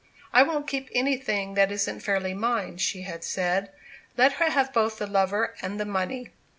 "I won't keep anything that isn't fairly mine," she had said; "let her have both the lover and the money."